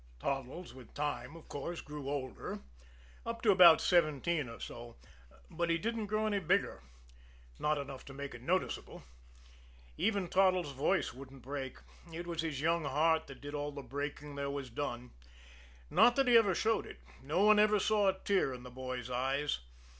Toddles, with time, of course, grew older, up to about seventeen or so, but he didn't grow any bigger not enough to make it noticeable! Even Toddles' voice wouldn't break it was his young heart that did all the breaking there was done. Not that he ever showed it. No one ever saw a tear in the boy's eyes.